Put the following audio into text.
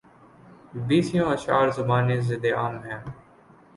بیسیوں اشعار زبانِ زدِ عام ہیں